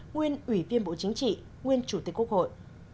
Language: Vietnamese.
nguyên ủy viên bộ chính trị nguyên chủ tịch quốc hội